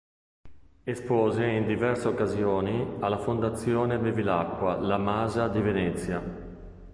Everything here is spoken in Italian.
Espose in diverse occasioni alla Fondazione Bevilacqua La Masa di Venezia.